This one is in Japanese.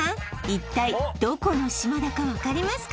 一体どこの島だか分かりますか？